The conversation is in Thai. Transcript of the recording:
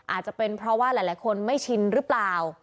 อาจจะเป็นเพราะว่าหลายคนไม่ชินหรือเปล่า